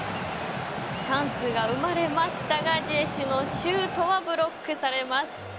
チャンスが生まれましたがジエシュのシュートはブロックされます。